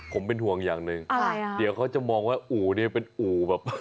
ผมเป็นห่วงอย่างหนึ่งอะไรอ่ะเดี๋ยวเขาจะมองว่าอู่เนี่ยเป็นอู่แบบ